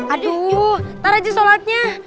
aduh ntar aja sholatnya